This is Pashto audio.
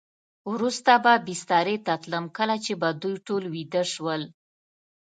وروسته به بسترې ته تلم، کله چې به دوی ټول ویده شول.